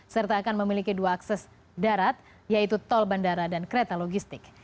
serta akan memiliki dua akses darat yaitu tol bandara dan kereta logistik